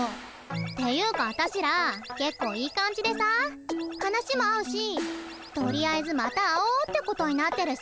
ていうかあたしらけっこういい感じでさ話も合うしとりあえずまた会おうってことになってるし。